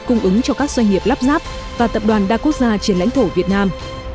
cung ứng cho các doanh nghiệp lắp ráp và tập đoàn đa quốc gia trên lãnh thổ việt nam